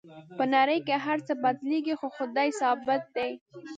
په نړۍ کې هر څه بدلیږي خو خدای ثابت دی